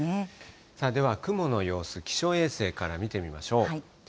では雲の様子、気象衛星から見てみましょう。